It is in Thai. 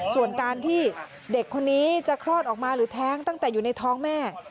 ส่วนการที่เด็กคนนี้จะคลอดออกมาหรือแท้งตั้งแต่อยู่ในท้องแม่